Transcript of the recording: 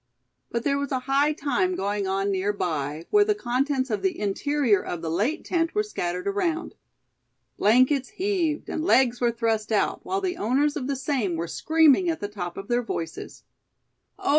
But there was a high time going on near by, where the contents of the interior of the late tent were scattered around. Blankets heaved, and legs were thrust out, while the owners of the same were screaming at the top of their voices. "Oh!